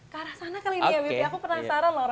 ke arah sana kali ini